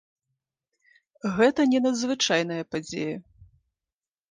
Гэта не надзвычайная падзея.